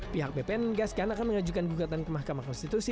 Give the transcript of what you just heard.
pihak bpn mengajukan gugatan ke mahkamah konstitusi